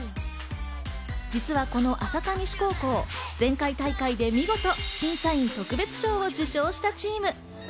実はこの朝霞西高校、前回大会で見事、審査員特別賞を受賞したチーム。